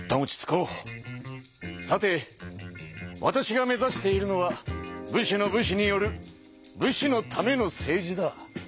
さてわたしが目ざしているのは武士の武士による武士のための政治だ。